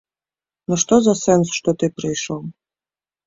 Ну што за сэнс, што ты прыйшоў.